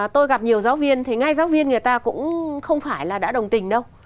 tôi gặp nhiều giáo viên thì ngay giáo viên người ta cũng không phải là đã đồng tình đâu